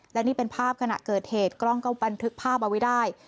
และนี่เป็นภาพขณะเกิดเหตุกล้องก็บันทึกภาพเอาไว้ได้